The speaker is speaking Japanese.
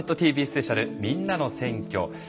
スペシャルみんなの選挙」です。